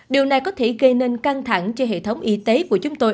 điều này có thể gây nên căng thẳng cho hệ thống y tế của chúng tôi